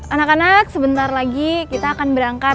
anak anak sebentar lagi kita akan berangkat